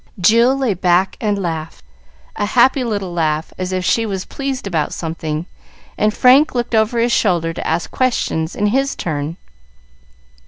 Jill lay back and laughed, a happy little laugh, as if she was pleased about something, and Frank looked over his shoulder to ask questions in his turn.